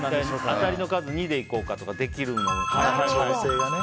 当たりの数２でいこうかとかできるのかなって。